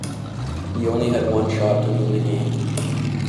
He only had one shot to win the game.